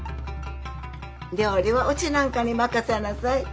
料理はうちなんかに任せなさい。